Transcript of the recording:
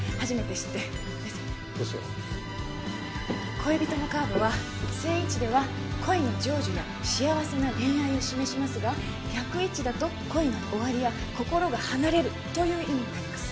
恋人のカードは正位置では恋の成就や幸せな恋愛を示しますが逆位置だと恋の終わりや心が離れるという意味になります。